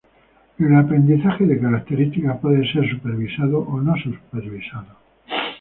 El aprendizaje de características puede ser supervisado o no supervisado.